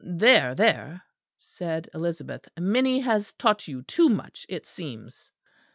"There, there!" said Elizabeth, "Minnie has taught you too much, it seems."